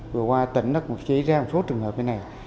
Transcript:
vừa qua tỉnh nó cũng xảy ra một số trường hợp như thế này